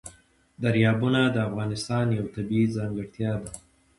دریابونه د افغانستان یوه طبیعي ځانګړتیا ده.